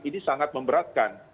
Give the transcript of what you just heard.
ini sangat memberatkan